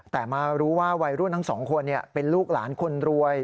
แต่มารู้ว่าวัยรุ่นทั้งสองคนเป็นลูกหลานคนรวย